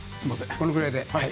このくらいで。